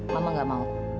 mama gak mau